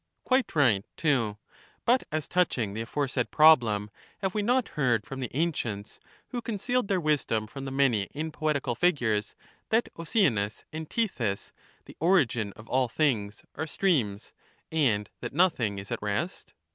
Quite right too; but as touching the aforesaid problem, have we not heard from the ancients, who con cealed their wisdom from the many in poetical figures, that pceanus and Tethys, the origin of all things, are streams, ari3"11Ta"t nothingls at rest